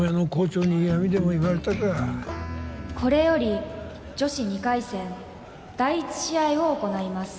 「これより女子２回戦第１試合を行います」